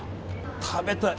食べたい！